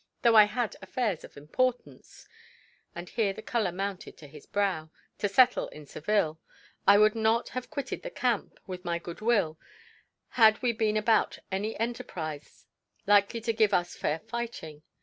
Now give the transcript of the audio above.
Though I had affairs of importance" (and here the colour mounted to his brow) "to settle in Seville, I would not have quitted the camp, with my good will, had we been about any enterprise likely to give us fair fighting.